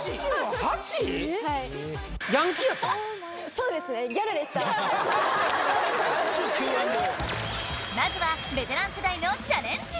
そうですねギャルでしたまずはベテラン世代のチャレンジ！